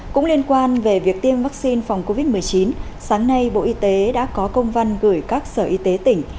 cũng liên quan về việc tiêm vaccine phòng covid một mươi chín sáng nay bộ y tế đã có công văn gửi các sở y tế tỉnh